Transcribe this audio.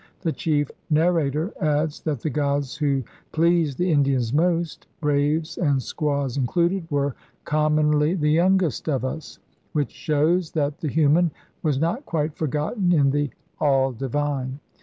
The chief narrator adds that the gods who pleased the Indians most, braves and squaws included, *were commonly the youngest of us,' which shows that the human was not quite forgotten in the all divine.